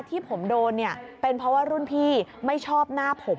ที่ผมโดนเนี่ยเป็นเพราะว่ารุ่นพี่ไม่ชอบหน้าผม